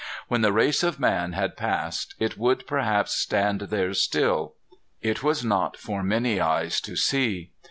When the race of man had passed it would, perhaps, stand there still. It was not for many eyes to see.